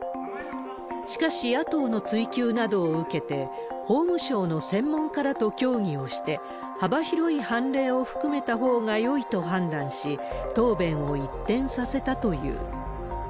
しかし、野党の追及などを受けて、法務省の専門家らと協議をして、幅広い判例を含めたほうがよいと判断し、答弁を一転させたという。